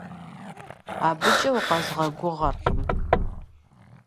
Абыкӏэ укъэзгъэгугъэркъым.